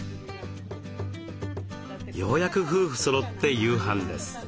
ようやく夫婦そろって夕飯です。